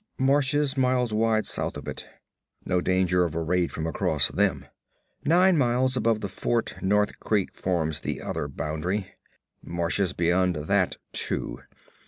Marshes miles wide south of it. No danger of a raid from across them. Nine miles above the fort North Creek forms the other boundary. Marshes beyond that, too.